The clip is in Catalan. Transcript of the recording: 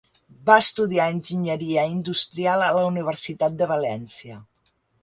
Va estudiar enginyeria industrial a la Universitat de València.